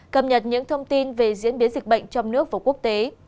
cập nhật những thông tin về diễn biến dịch bệnh trong nước và quốc tế